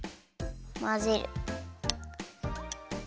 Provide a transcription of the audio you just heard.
まぜる。